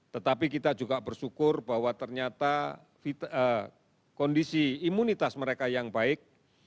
tetapi kita juga bersyukur bahwa ternyata kondisi imunitas mereka yang baik